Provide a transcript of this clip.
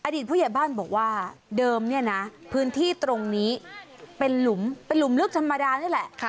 ผู้ใหญ่บ้านบอกว่าเดิมเนี่ยนะพื้นที่ตรงนี้เป็นหลุมลึกธรรมดานี่แหละ